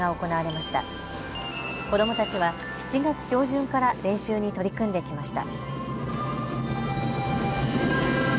子どもたちは７月上旬から練習に取り組んできました。